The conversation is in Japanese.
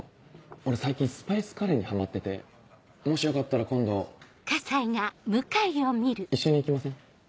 俺最近スパイスカレーにはまっててもしよかったら今度一緒に行きません？